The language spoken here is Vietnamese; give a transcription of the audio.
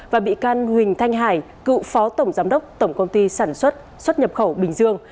và bị can huỳnh thanh hải cựu phó tổng giám đốc tổng công ty sản xuất xuất nhập khẩu bình dương